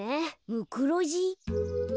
ムクロジ？